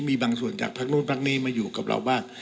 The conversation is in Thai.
มีบางส่วนจากพักนู้นพักนี้มาอยู่กับเราบ้าง